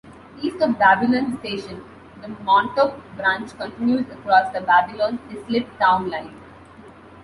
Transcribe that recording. East of Babylon station, the Montauk Branch continues across the Babylon-Islip Town Line.